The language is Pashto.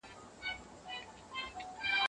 وگړي د دې خبر اورېدو خوښ شول.